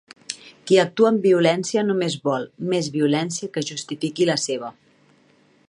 Qui actua amb violència només vol més violència que justifiqui la seva.